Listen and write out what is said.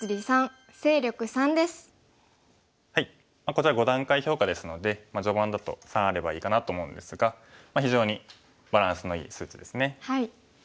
こちら５段階評価ですので序盤だと３あればいいかなと思うんですが非常にバランスのいい数値ですね。